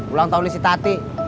ulang tahun si tati